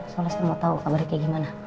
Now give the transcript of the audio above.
soalnya saya mau tau kabarin kayak gimana